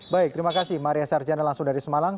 baik terima kasih maria sarjana langsung dari semarang